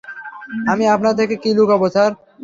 আমি আপনার থেকে কি লুকাবো, স্যার?